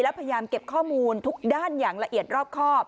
และพยายามเก็บข้อมูลทุกด้านอย่างละเอียดรอบครอบ